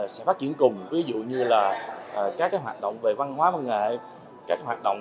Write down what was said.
sẽ phát triển cùng ví dụ như là các hoạt động về văn hóa văn nghệ